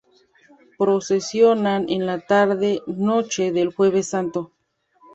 Procesionan en la tarde-noche del Jueves Santo.